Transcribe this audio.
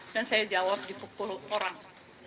dan saya jawab di pukul orang